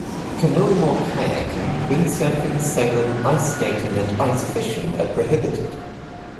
Canoeing or kayaking, windsurfing, sailing, ice skating and ice fishing are prohibited.